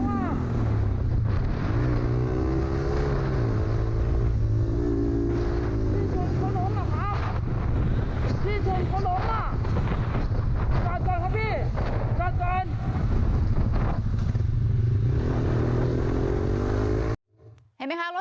เน็ตขานะน่าจะมีตรงนี้